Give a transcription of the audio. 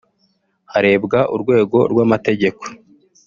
harebwa urwego rw’amategeko